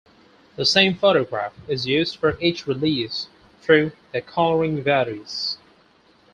The same photograph is used for each release though the colouring varies.